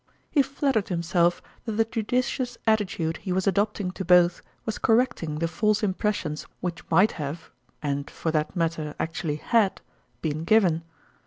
He flattered himself that the judicious atti tude he was adopting to both was correcting the false impressions which might have and for that matter actually had been given.